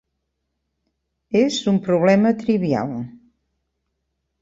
És un problema trivial.